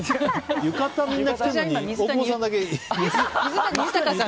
浴衣、みんな着てるのに大久保さんだけ水谷豊さん。